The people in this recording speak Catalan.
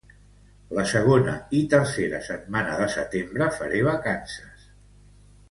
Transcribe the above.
La segona i tercera setmana de setembre faré vacances